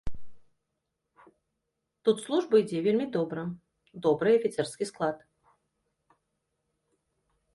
Тут служба ідзе вельмі добра, добры і афіцэрскі склад.